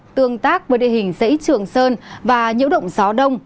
tương tác với địa hình dãy trường sơn và nhiễu động gió đông